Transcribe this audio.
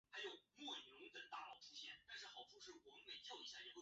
羽尾信号场筱之井线的一个已废止的线路所。